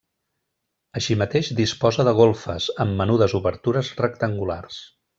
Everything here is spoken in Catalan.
Així mateix disposa de golfes, amb menudes obertures rectangulars.